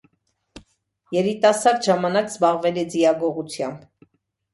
Երիտասարդ ժամանակ զբաղվել է ձիագողությամբ։